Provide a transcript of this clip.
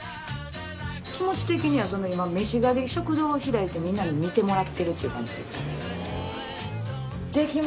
気持ち的には今飯画で食堂を開いてみんなに見てもらってるっていう感じですかね。